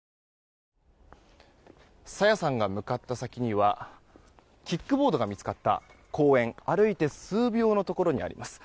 朝芽さんが向かった先にはキックボードが見つかった公園歩いて数秒のところにあります。